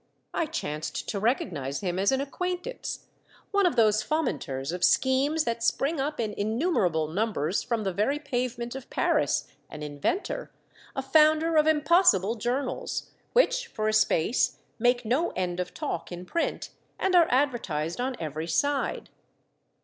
I chanced to recognize him as an acquaintance, one of those fomenters of schemes that spring up in innumerable numbers from the very pavement of Paris, an inventor, a founder of impossible journals, which for a space Three Htmdred Thousand Francs, 209 make no end of talk in print, and are advertised on every side.